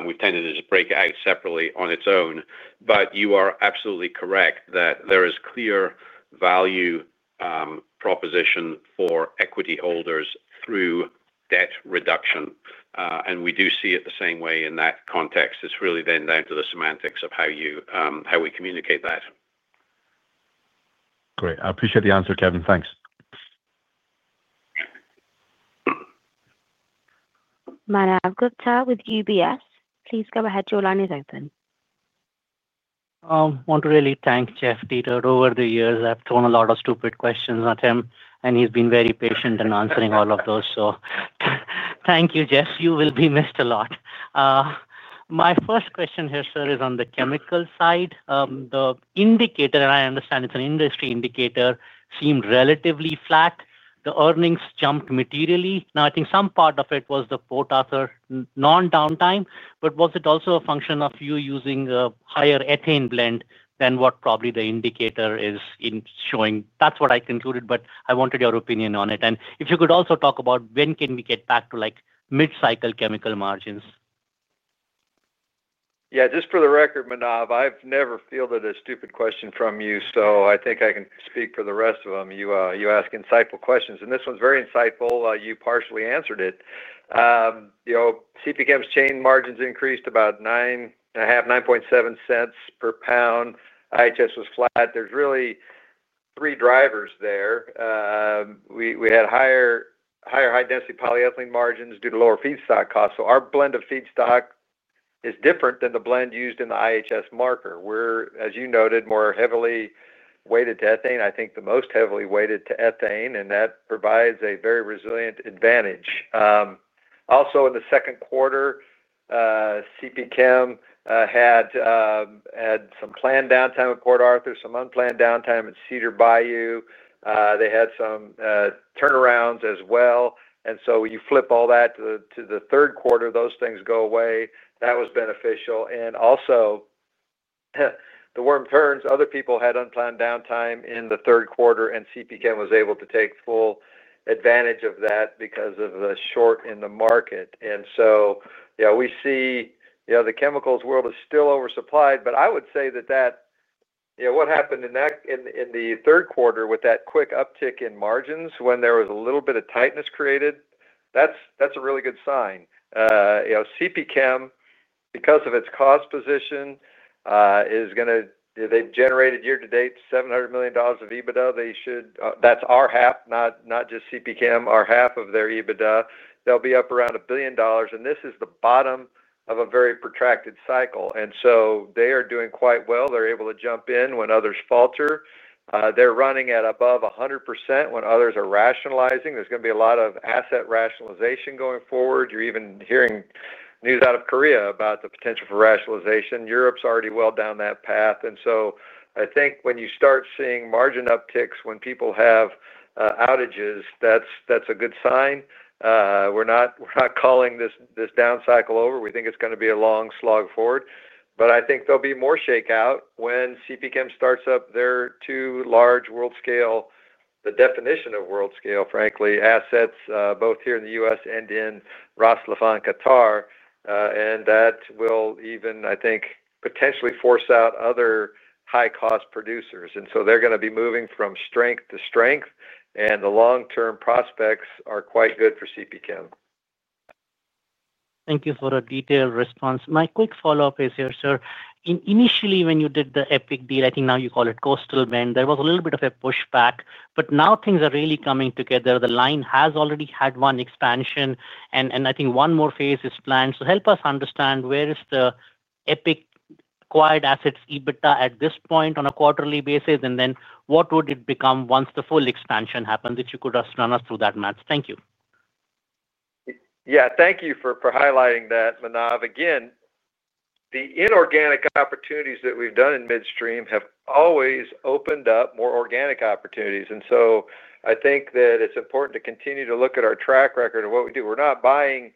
[SPEAKER 4] We've tended to break it out separately on its own. You are absolutely correct that there is clear value proposition for equity holders through debt reduction. We do see it the same way in that context. It's really then down to the semantics of how we communicate that.
[SPEAKER 12] Great. I appreciate the answer, Kevin. Thanks.
[SPEAKER 1] Manav Gupta with UBS. Please go ahead. Your line is open.
[SPEAKER 13] I want to really thank Jeff Dietert. Over the years, I've thrown a lot of stupid questions at him, and he's been very patient in answering all of those. Thank you, Jeff. You will be missed a lot. My first question here, sir, is on the chemical side. The indicator, and I understand it's an industry indicator, seemed relatively flat. The earnings jumped materially. I think some part of it was the quota for non-downtime. Was it also a function of you using a higher ethane blend than what probably the indicator is showing? That's what I concluded, but I wanted your opinion on it. If you could also talk about when can we get back to like mid-cycle chemical margins?
[SPEAKER 3] Yeah, just for the record, Manav, I've never fielded a stupid question from you. I think I can speak for the rest of them. You ask insightful questions, and this one's very insightful. You partially answered it. CP Chem's chain margins increased about $0.097 per pound. IHS was flat. There are really three drivers there. We had higher high-density polyethylene margins due to lower feedstock costs. Our blend of feedstock is different than the blend used in the IHS marker. We're, as you noted, more heavily weighted to ethane. I think the most heavily weighted to ethane, and that provides a very resilient advantage. In the second quarter, CP Chem had some planned downtime at Port Arthur, some unplanned downtime at Cedar Bayou. They had some turnarounds as well. You flip all that to the third quarter, those things go away. That was beneficial. Also, the worm turns. Other people had unplanned downtime in the third quarter, and CP Chem was able to take full advantage of that because of the short in the market. We see the chemicals world is still oversupplied. I would say that what happened in the third quarter with that quick uptick in margins when there was a little bit of tightness created, that's a really good sign. CP Chem, because of its cost position, is going to, they've generated year-to-date $700 million of EBITDA. That's our half, not just CP Chem, our half of their EBITDA. They'll be up around $1 billion. This is the bottom of a very protracted cycle. They are doing quite well. They're able to jump in when others falter. They're running at above 100% when others are rationalizing. There's going to be a lot of asset rationalization going forward. You're even hearing news out of Korea about the potential for rationalization. Europe is already well down that path. I think when you start seeing margin upticks when people have outages, that's a good sign. We're not calling this down cycle over. We think it's going to be a long slog forward. I think there'll be more shakeout when CP Chem starts up their two large world scale, the definition of world scale, frankly, assets, both here in the U.S. and in Ras Laffan, Qatar. That will even, I think, potentially force out other high-cost producers. They're going to be moving from strength to strength, and the long-term prospects are quite good for CP Chem.
[SPEAKER 13] Thank you for a detailed response. My quick follow-up is here, sir. Initially, when you did the EPIC deal, I think now you call it Coastal Bend, there was a little bit of a pushback. Now things are really coming together. The line has already had one expansion, and I think one more phase is planned. Help us understand where the EPIC acquired assets, EBITDA, is at this point on a quarterly basis, and what it would become once the full expansion happened that you could run us through that math. Thank you.
[SPEAKER 3] Yeah, thank you for highlighting that, Manav. Again, the inorganic opportunities that we've done in midstream have always opened up more organic opportunities. I think that it's important to continue to look at our track record and what we do. We're not buying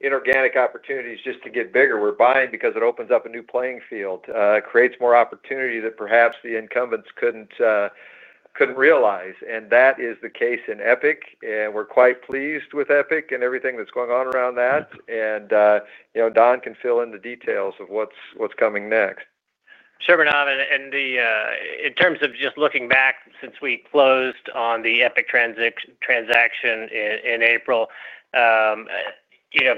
[SPEAKER 3] inorganic opportunities just to get bigger. We're buying because it opens up a new playing field, creates more opportunity that perhaps the incumbents couldn't realize. That is the case in EPIC. We're quite pleased with EPIC and everything that's going on around that. Don can fill in the details of what's coming next.
[SPEAKER 8] Sure, Manav. In terms of just looking back since we closed on the EPIC transaction in April,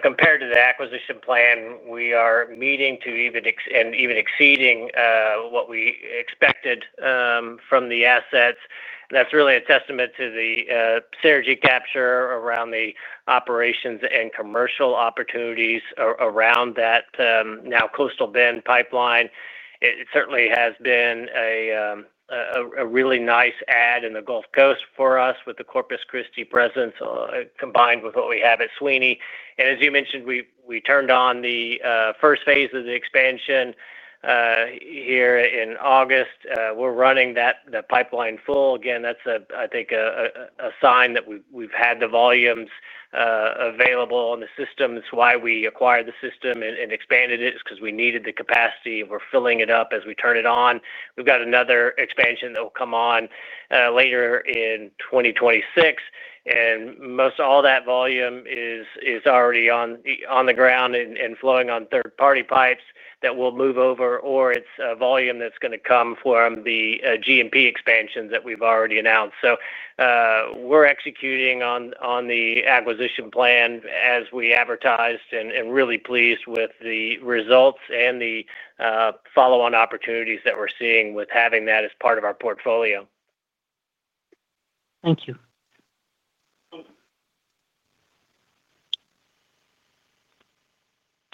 [SPEAKER 8] compared to the acquisition plan, we are meeting and even exceeding what we expected from the assets. That is really a testament to the synergy capture around the operations and commercial opportunities around that now Coastal Bend pipeline. It certainly has been a really nice add in the Gulf Coast for us with the Corpus Christi presence combined with what we have at Sweeney. As you mentioned, we turned on the first phase of the expansion here in August. We're running that pipeline full. I think that's a sign that we've had the volumes available in the systems. The reason we acquired the system and expanded it is because we needed the capacity. We're filling it up as we turn it on. We've got another expansion that will come on later in 2026, and most all that volume is already on the ground and flowing on third-party pipes that will move over, or it's a volume that's going to come from the G&P expansions that we've already announced. We're executing on the acquisition plan as we advertised and really pleased with the results and the follow-on opportunities that we're seeing with having that as part of our portfolio. Thank you.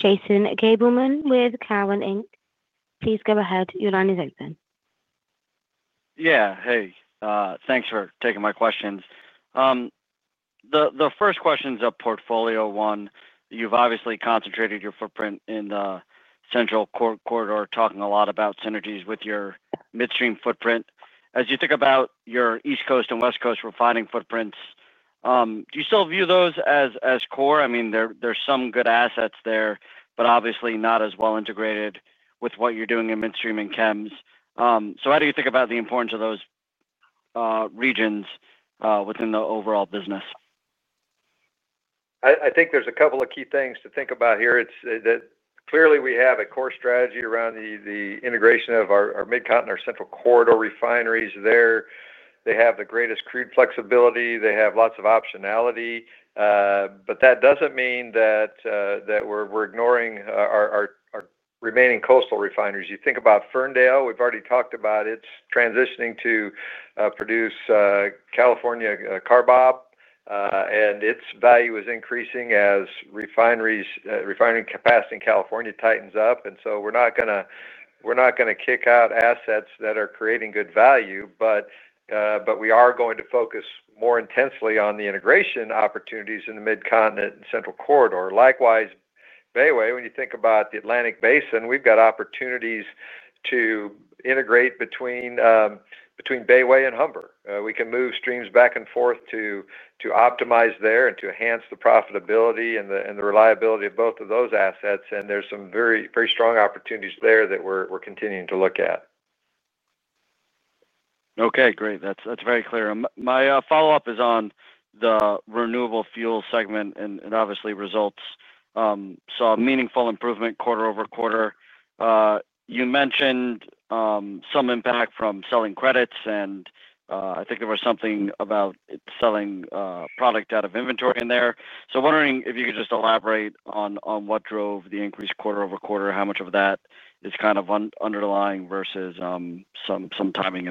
[SPEAKER 1] Jason Gabelman with Cowen Inc. Please go ahead. Your line is open.
[SPEAKER 14] Yeah. Hey, thanks for taking my questions. The first question is a portfolio one. You've obviously concentrated your footprint in the Central Corridor, talking a lot about synergies with your midstream footprint. As you think about your East Coast and West Coast refining footprints, do you still view those as core? I mean, there's some good assets there, but obviously not as well integrated with what you're doing in midstream and chems. How do you think about the importance of those regions within the overall business?
[SPEAKER 3] I think there's a couple of key things to think about here. It's that clearly we have a core strategy around the integration of our Mid-Continent, our Central Corridor refineries there. They have the greatest crude flexibility. They have lots of optionality. That doesn't mean that we're ignoring our remaining coastal refineries. You think about Ferndale. We've already talked about it's transitioning to produce California CARBOP, and its value is increasing as refining capacity in California tightens up. We're not going to kick out assets that are creating good value, but we are going to focus more intensely on the integration opportunities in the Mid-Continent and Central Corridor. Likewise, Bayway, when you think about the Atlantic Basin, we've got opportunities to integrate between Bayway and Humber. We can move streams back and forth to optimize there and to enhance the profitability and the reliability of both of those assets. There are some very, very strong opportunities there that we're continuing to look at.
[SPEAKER 14] Okay, great. That's very clear. My follow-up is on the renewable fuels segment and obviously results. Saw meaningful improvement quarter-over-quarter. You mentioned some impact from selling credits, and I think there was something about selling product out of inventory in there. I am wondering if you could just elaborate on what drove the increase quarter-over-quarter, how much of that is kind of underlying versus some timing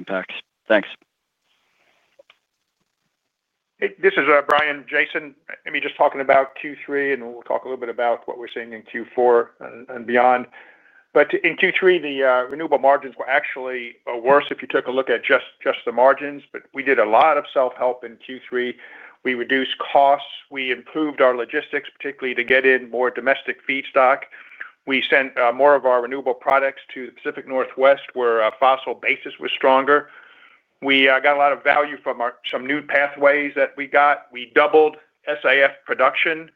[SPEAKER 14] impacts. Thanks.
[SPEAKER 7] This is Brian. Jason, just talking about Q3, and we'll talk a little bit about what we're seeing in Q4 and beyond. In Q3, the renewable margins were actually worse if you took a look at just the margins. We did a lot of self-help in Q3. We reduced costs. We improved our logistics, particularly to get in more domestic feedstock. We sent more of our renewable products to the Pacific Northwest where a fossil basis was stronger. We got a lot of value from some new pathways that we got. We doubled SAF production.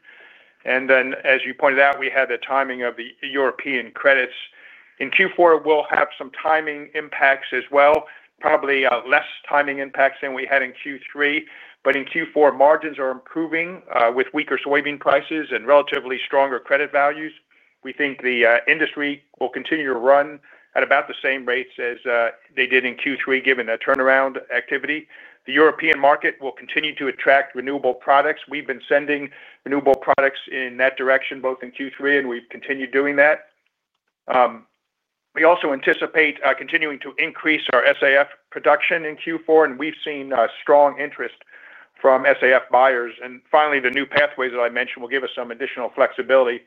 [SPEAKER 7] As you pointed out, we had the timing of the European credits. In Q4, we'll have some timing impacts as well, probably less timing impacts than we had in Q3. In Q4, margins are improving with weaker soybean prices and relatively stronger credit values. We think the industry will continue to run at about the same rates as they did in Q3, given the turnaround activity. The European market will continue to attract renewable products. We've been sending renewable products in that direction both in Q3, and we've continued doing that. We also anticipate continuing to increase our SAF production in Q4, and we've seen strong interest from SAF buyers. Finally, the new pathways that I mentioned will give us some additional flexibility.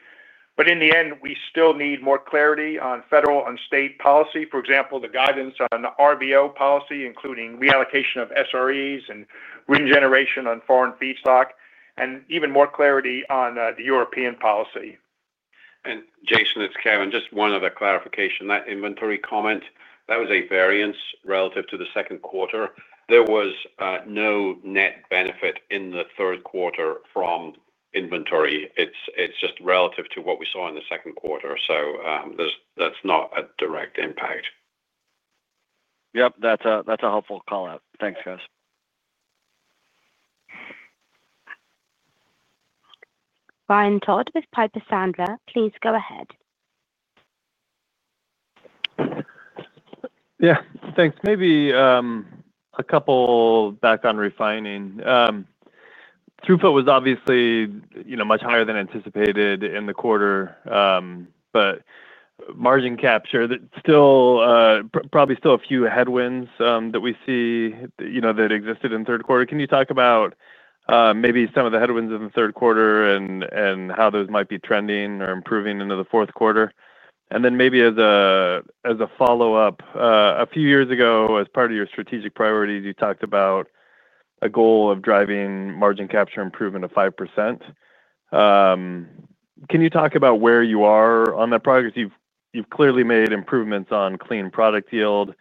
[SPEAKER 7] In the end, we still need more clarity on federal and state policy. For example, the guidance on RVO policy, including reallocation of SREs and regeneration on foreign feedstock, and even more clarity on the European policy.
[SPEAKER 4] Jason, it's Kevin. Just one other clarification. That inventory comment was a variance relative to the second quarter. There was no net benefit in the third quarter from inventory. It's just relative to what we saw in the second quarter. That's not a direct impact.
[SPEAKER 14] Yep, that's a helpful call-out. Thanks, guys.
[SPEAKER 1] Ryan Todd with Piper Sandler. Please go ahead.
[SPEAKER 15] Yeah, thanks. Maybe a couple back on refining. Throughput was obviously much higher than anticipated in the quarter. Margin capture, that's still probably still a few headwinds that we see that existed in third quarter. Can you talk about maybe some of the headwinds in the third quarter and how those might be trending or improving into the fourth quarter? Then maybe as a follow-up, a few years ago, as part of your strategic priorities, you talked about a goal of driving margin capture improvement of 5%. Can you talk about where you are on that progress? You've clearly made improvements on clean product yield,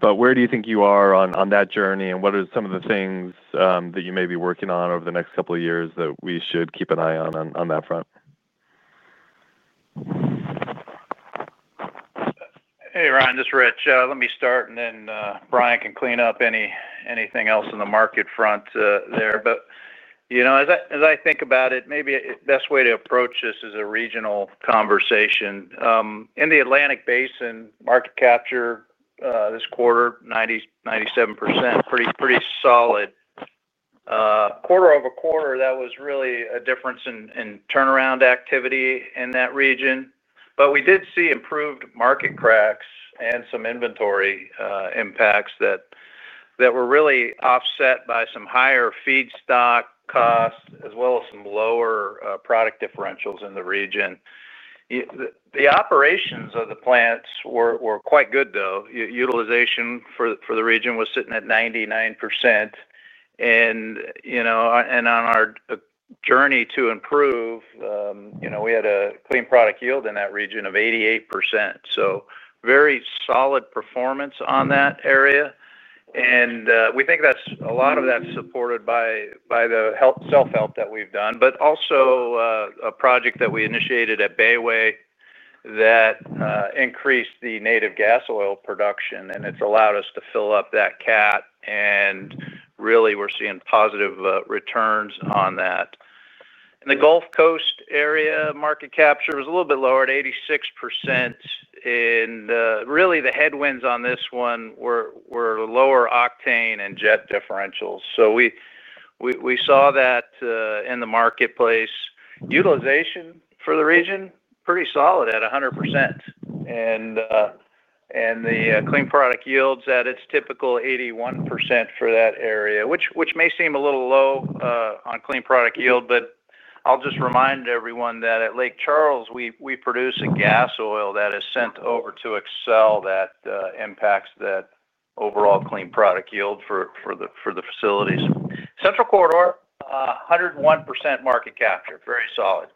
[SPEAKER 15] but where do you think you are on that journey and what are some of the things that you may be working on over the next couple of years that we should keep an eye on on that front?
[SPEAKER 6] Hey, Ron. This is Rich. Let me start, and then Brian can clean up anything else on the market front there. As I think about it, maybe the best way to approach this is a regional conversation. In the Atlantic Basin, market capture this quarter, 97%, pretty solid. Quarter-over-quarter, that was really a difference in turnaround activity in that region. We did see improved market CRECs and some inventory impacts that were really offset by some higher feedstock costs, as well as some lower product differentials in the region. The operations of the plants were quite good, though. Utilization for the region was sitting at 99%. On our journey to improve, we had a clean product yield in that region of 88%. Very solid performance in that area. We think that's a lot of that supported by the self-help that we've done, but also a project that we initiated at Bayway that increased the native gas oil production. It's allowed us to fill up that CAT. We're seeing positive returns on that. In the Gulf Coast area, market capture was a little bit lower at 86%. The headwinds on this one were lower octane and jet differentials. We saw that in the marketplace. Utilization for the region, pretty solid at 100%. The clean product yield's at its typical 81% for that area, which may seem a little low on clean product yield. I'll just remind everyone that at Lake Charles, we produce a gas oil that is sent over to Excel that impacts that overall clean product yield for the facilities. Central Corridor, 101% market capture, very solid.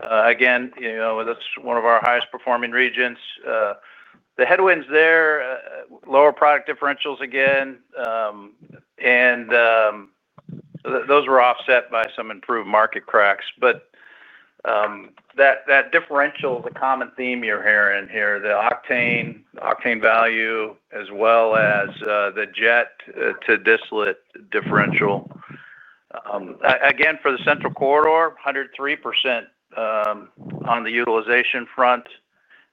[SPEAKER 6] Again, that's one of our highest performing regions. The headwinds there, lower product differentials again. Those were offset by some improved market CRECs. That differential is a common theme you're hearing here, the octane value, as well as the jet to distillate differential. For the Central Corridor, 103% on the utilization front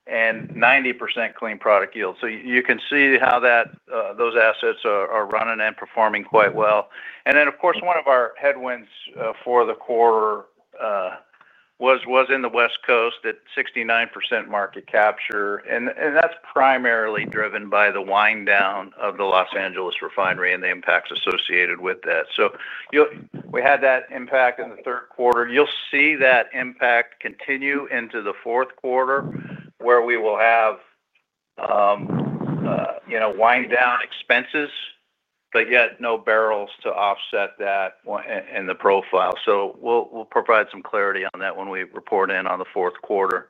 [SPEAKER 6] and 90% clean product yield. You can see how those assets are running and performing quite well. One of our headwinds for the quarter was in the West Coast at 69% market capture. That's primarily driven by the wind down of the Los Angeles refinery and the impacts associated with that. We had that impact in the third quarter. You'll see that impact continue into the fourth quarter where we will have wind down expenses, but yet no barrels to offset that in the profile. We'll provide some clarity on that when we report in on the fourth quarter.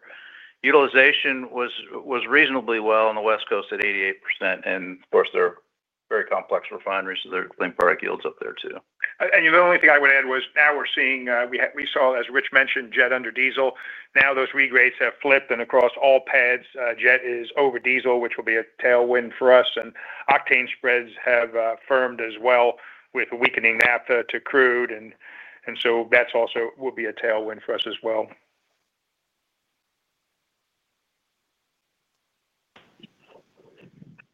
[SPEAKER 6] Utilization was reasonably well on the West Coast at 88%. They're very complex refineries, so their clean product yield's up there too.
[SPEAKER 7] The only thing I would add was now we're seeing, we saw, as Rich mentioned, jet under diesel. Now those regrades have flipped and across all pads, jet is over diesel, which will be a tailwind for us. Octane spreads have firmed as well with a weakening naphtha to crude, so that also will be a tailwind for us as well.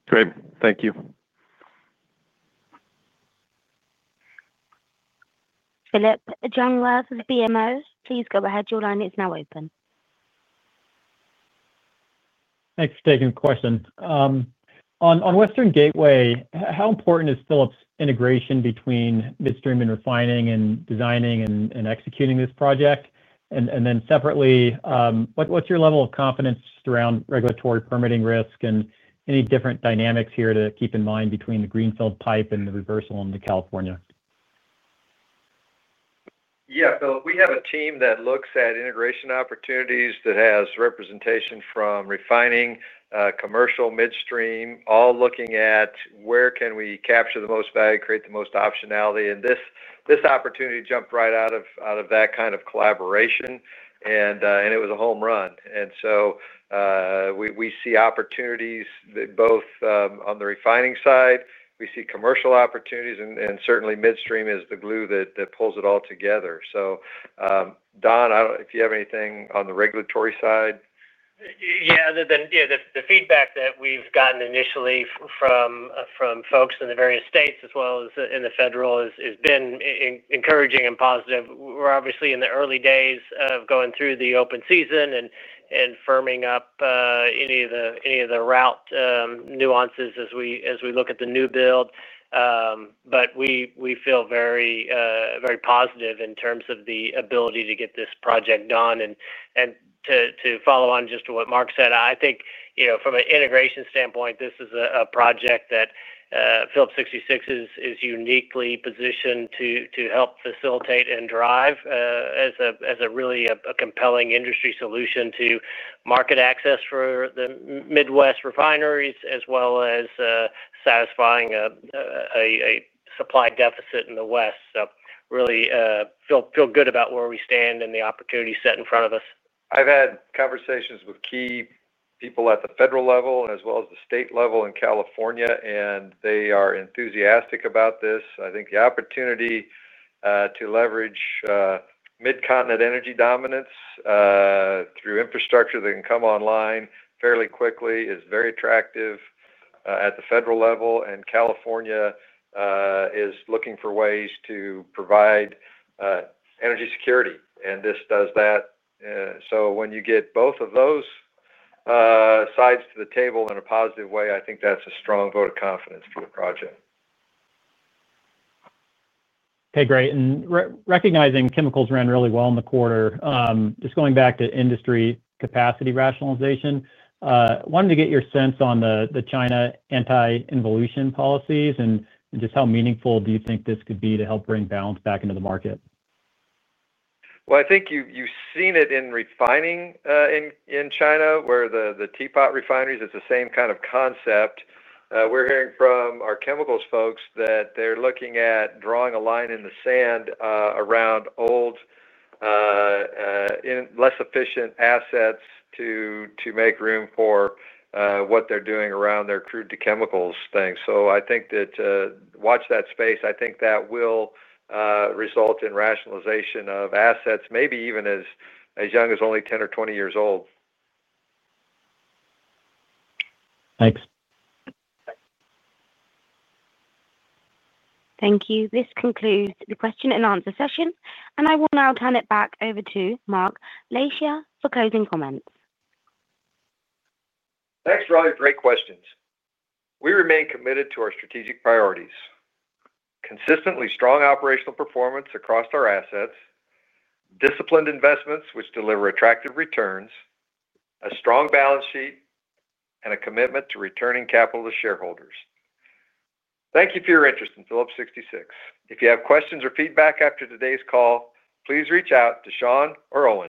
[SPEAKER 15] Great, thank you.
[SPEAKER 1] Phillip Jungwirth with BMO. Please go ahead. Your line is now open.
[SPEAKER 16] Thanks for taking the question. On Western Gateway, how important is Phillips integration between midstream and refining in designing and executing this project? What's your level of confidence just around regulatory permitting risk and any different dynamics here to keep in mind between the Greenfield pipe and the reversal into California?
[SPEAKER 3] Yeah, we have a team that looks at integration opportunities that has representation from refining, commercial, midstream, all looking at where can we capture the most value, create the most optionality. This opportunity jumped right out of that kind of collaboration. It was a home run. We see opportunities both on the refining side. We see commercial opportunities. Certainly, midstream is the glue that pulls it all together. Don, if you have anything on the regulatory side?
[SPEAKER 8] Other than the feedback that we've gotten initially from folks in the various states, as well as in the federal, has been encouraging and positive. We're obviously in the early days of going through the open season and firming up any of the route nuances as we look at the new build. We feel very positive in terms of the ability to get this project done. To follow on just to what Mark said, I think from an integration standpoint, this is a project that Phillips 66 is uniquely positioned to help facilitate and drive as a really compelling industry solution to market access for the Midwest refineries, as well as satisfying a supply deficit in the West. We really feel good about where we stand and the opportunity set in front of us.
[SPEAKER 3] I've had conversations with key people at the federal level, as well as the state level in California, and they are enthusiastic about this. I think the opportunity to leverage Mid-Continent energy dominance through infrastructure that can come online fairly quickly is very attractive at the federal level. California is looking for ways to provide energy security, and this does that. When you get both of those sides to the table in a positive way, I think that's a strong vote of confidence for the project.
[SPEAKER 16] Great. Recognizing chemicals ran really well in the quarter, just going back to industry capacity rationalization, I wanted to get your sense on the China anti-involution policies and just how meaningful do you think this could be to help bring balance back into the market?
[SPEAKER 3] I think you've seen it in refining in China, where the teapot refineries, it's the same kind of concept. We're hearing from our chemicals folks that they're looking at drawing a line in the sand around old, less efficient assets to make room for what they're doing around their crude to chemicals thing. I think that watch that space. I think that will result in rationalization of assets, maybe even as young as only 10 or 20 years old.
[SPEAKER 16] Thanks.
[SPEAKER 1] Thank you. This concludes the question and answer session. I will now turn it back over to Mark Lashier for closing comments.
[SPEAKER 3] Thanks, Ron. Great questions. We remain committed to our strategic priorities: consistently strong operational performance across our assets, disciplined investments which deliver attractive returns, a strong balance sheet, and a commitment to returning capital to shareholders. Thank you for your interest in Phillips 66. If you have questions or feedback after today's call, please reach out to Sean or Owen.